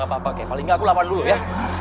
gapapa kay paling gak aku lapar dulu ya